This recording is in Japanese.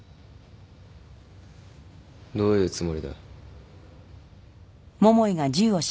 どういうつもりだ？